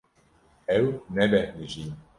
Ew nebêhnijîn.